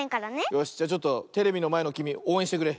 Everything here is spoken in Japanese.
よしじゃちょっとテレビのまえのきみおうえんしてくれ。